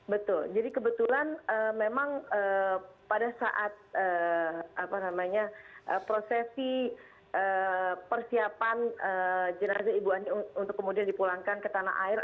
betul jadi kebetulan memang pada saat prosesi persiapan jenazah ibu ani untuk kemudian dipulangkan ke tanah air